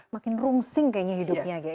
makin rungsing kayaknya hidupnya